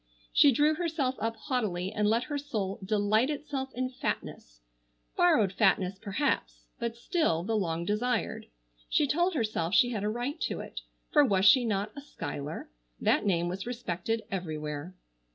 She drew herself up haughtily and let her soul "delight itself in fatness"—borrowed fatness, perhaps, but still, the long desired. She told herself she had a right to it, for was she not a Schuyler? That name was respected everywhere.